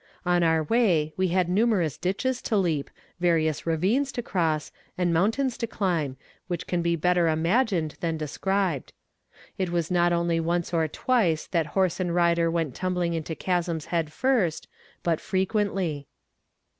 On our way we had numerous ditches to leap, various ravines to cross, and mountains to climb, which can be better imagined than described. It was not only once or twice that horse and rider went tumbling into chasms head first, but frequently.